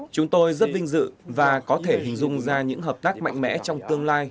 chúng tôi rất vinh dự và có thể hình dung ra những hợp tác mạnh mẽ trong tương lai